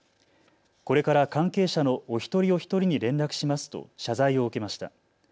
これから関係者のお一人お一人に連絡しますと謝罪を受けました。